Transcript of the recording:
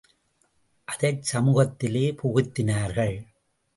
அதைச் சமூகத்திலே புகுத்தினார்கள்.